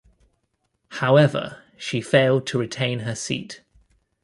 However, she failed to retain her seat.